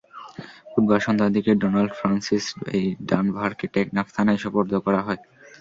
বুধবার সন্ধ্যার দিকে ডোনাল্ড ফ্রান্সিস ডানভারকে টেকনাফ থানায় সোপর্দ করা হয়।